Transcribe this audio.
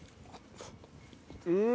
うん！